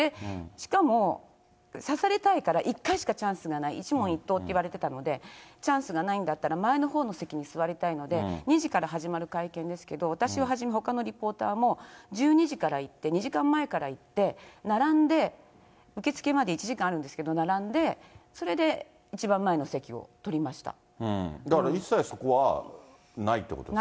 しかも指されたいから、１回しかチャンスがない、１問１答っていわれてたので、チャンスがないんだったら、前のほうに席に座りたいので、２時から始まる会見ですけど、私をはじめほかのリポーターも、１２時から行って、２時間前から行って、並んで、受け付けまで１時間あるんですけど、並んで、だから一切そこはないというないです。